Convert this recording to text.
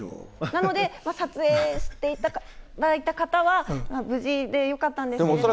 なので、撮影していただいた方は無事でよかったんですけれども。